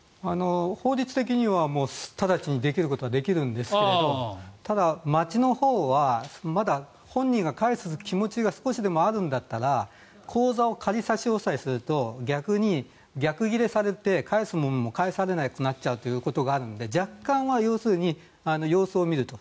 法律的には直ちにできることはできるんですがただ、町のほうはまだ本人が返す気持ちが少しでもあるんだったら口座を仮差し押さえすると逆に逆ギレされて返すものも返されないということになっちゃうことがあるので若干は要するに様子を見ると。